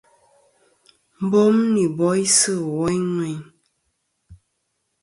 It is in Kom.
Bom nɨn boysɨ woyn ŋweyn.